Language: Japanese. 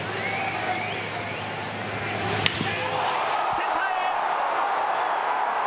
センターへ。